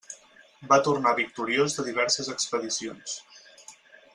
Va tornar victoriós de diverses expedicions.